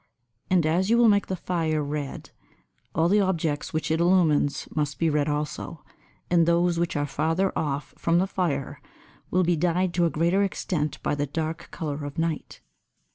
And as you will make the fire red, all the objects which it illumines must be red also, and those which are farther off from the fire will be dyed to a greater extent by the dark colour of night.